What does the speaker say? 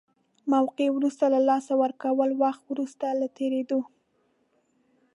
موقعه وروسته له لاسه ورکولو، وخت وروسته له تېرېدلو.